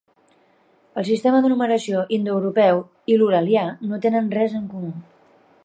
El sistema de numeració indoeuropeu i l'uralià no tenen res en comú.